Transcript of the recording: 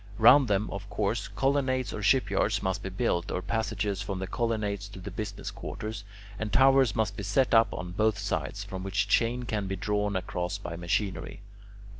Round them, of course, colonnades or shipyards must be built, or passages from the colonnades to the business quarters, and towers must be set up on both sides, from which chains can be drawn across by machinery.